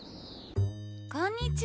こんにちは！